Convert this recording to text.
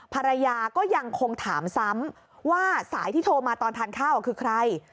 ภรรยาก็ยังคงถามซ้ำว่าสายที่โทรมาตอนทานข้าวคือใคร